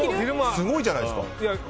すごいじゃないですか。